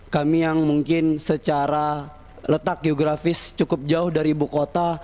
kami yang mungkin secara letak geografis cukup jauh dari ibu kota